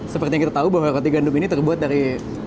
seperti yang kita tahu bahwa roti gandum ini terbuat dari